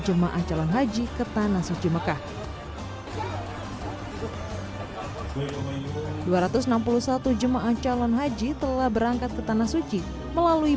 jemaah calon haji ke tanah suci mekah dua ratus enam puluh satu jemaah calon haji telah berangkat ke tanah suci melalui